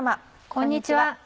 こんにちは。